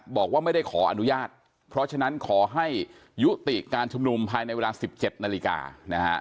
บอกว่าไม่ได้ขออนุญาตเพราะฉะนั้นขอให้ยุติการชุมนุมภายในเวลา๑๗นาฬิกานะฮะ